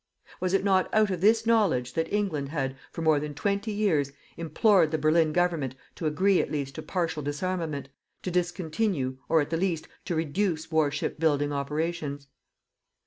Was it not out of this knowledge that England had, for more than twenty years, implored the Berlin Government to agree at least to partial disarmament, to discontinue, or, at the least, to reduce war ship building operations?